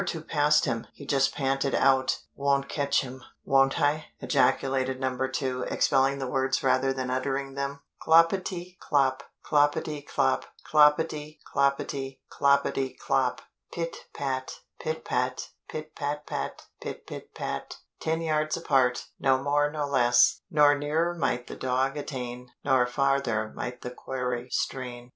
2 passed him, he just panted out "Won't catch him." "Won't I!" ejaculated No 2, expelling the words rather than uttering them. Klopetee klop, klopetee klop, klopetee, klopetee, klopetee klop. Pit pat, pit pat, pit pat pat, pit pit pat. Ten yards apart, no more no less. Nor nearer might the dog attain, Nor farther might the quarry strain.